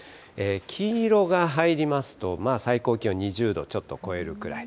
黄色が入りますと、最高気温２０度ちょっと超えるくらい。